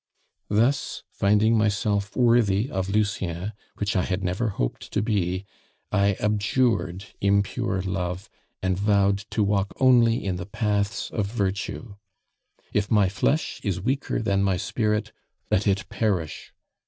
"Thus finding myself worthy of Lucien, which I had never hoped to be, I abjured impure love and vowed to walk only in the paths of virtue. If my flesh is weaker than my spirit, let it perish.